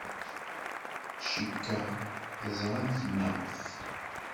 Cikkeɣ teẓramt maɣef.